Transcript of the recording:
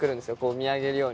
見上げるように。